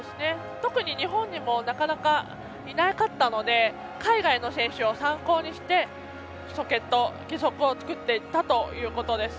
特に日本にもいなかったので海外選手を参考にしてソケット、義足を作っていったということです。